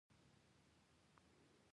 شکایت اوریدل د مدیر دنده ده